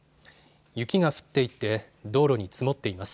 雪が降っていて道路に積もっています。